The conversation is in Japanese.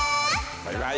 バイバイ。